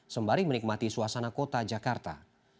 sembari menikmati suasana kota jakarta